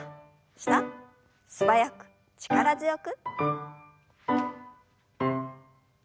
素早く力強く。